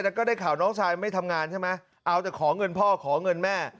แล้วก็ได้ข่าวน้องชายไม่ทำงานใช่ไหมเอาแต่ขอเงินพ่อขอเงินแม่